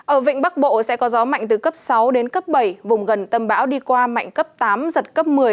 ở vịnh bắc bộ sẽ có gió mạnh từ cấp sáu đến cấp bảy vùng gần tâm bão đi qua mạnh cấp tám giật cấp một mươi